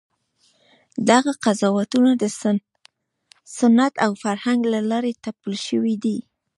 دغه قضاوتونه د سنت او فرهنګ له لارې تپل شوي دي.